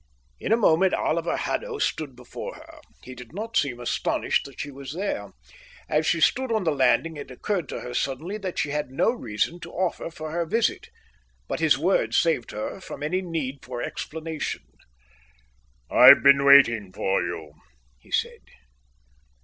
In a moment Oliver Haddo stood before her. He did not seem astonished that she was there. As she stood on the landing, it occurred to her suddenly that she had no reason to offer for her visit, but his words saved her from any need for explanation. "I've been waiting for you," he said.